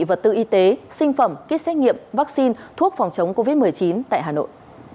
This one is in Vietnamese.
vật tư y tế sinh phẩm kit xét nghiệm vaccine thuốc phòng chống covid một mươi chín tại hà nội